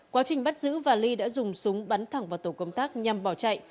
quá trình bắt giữ vali đã dùng súng bắn thẳng vào tổ công tác nhằm bỏ chạy